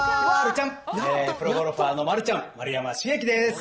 プロゴルファーのマルちゃん、丸山茂樹です。